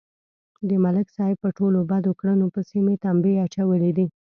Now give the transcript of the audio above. د ملک صاحب په ټولو بدو کړنو پسې مې تمبې اچولې دي